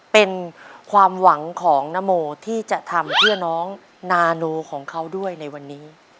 เป็นความหวังของนโมที่จะทำเพื่อน้องนาโนของเขาด้วยในวันนี้